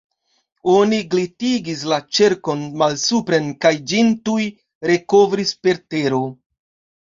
Oni glitigis la ĉerkon malsupren kaj ĝin tuj rekovris per tero.